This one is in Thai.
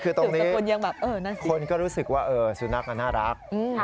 คือตรงนี้คนก็รู้สึกว่าสุนัขมันน่ารัก